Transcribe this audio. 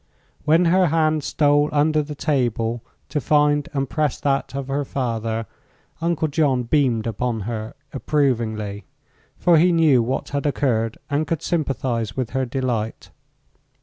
When her hand stole under the table to find and press that of her father, Uncle John beamed upon her approvingly; for he knew what had occurred and could sympathize with her delight.